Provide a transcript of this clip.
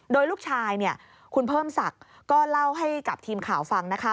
โดยลูกชายคุณเพิ่มศักดิ์ก็เล่าให้กับทีมข่าวฟังนะคะ